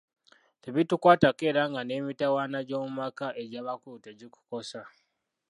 Tebikukwatako era nga ne mitawaana gy'omu maka egy'abakulu tegikukosa.